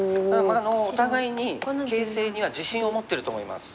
まあお互いに形勢には自信を持ってると思います。